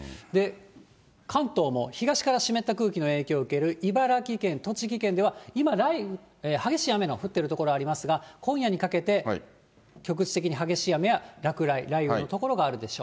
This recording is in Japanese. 関東も東から湿った空気の影響を受ける茨城県、栃木県では、今、激しい雨の降っている所ありますが、今夜にかけて局地的に激しい雨や落雷、雷雨の所があるでしょう。